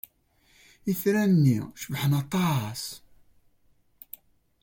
Itran-nni cebḥen aṭas!